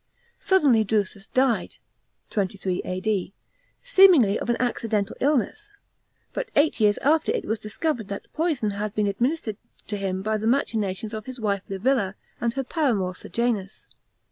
Suddenly Drusus died (23 A.D.), seemingly of an accidental illness; but eight years after it was discovered that poison had been administered to him by the machinations of his wite Li villa, and her paramour Sejanus.